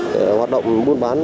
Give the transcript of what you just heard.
hoạt động mua bán